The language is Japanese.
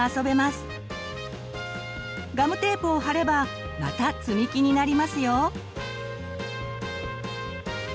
ガムテープを貼ればまたつみきになりますよ。